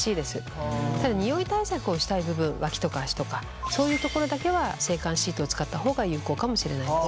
ただニオイ対策をしたい部分脇とか足とかそういうところだけは制汗シートを使った方が有効かもしれないです。